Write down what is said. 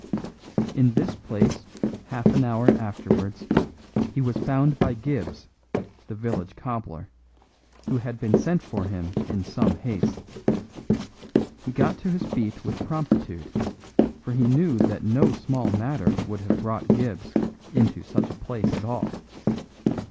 In this place half an hour afterwards he was found by Gibbs, the village cobbler, who had been sent for him in some haste. He got to his feet with promptitude, for he knew that no small matter would have brought Gibbs into such a place at all.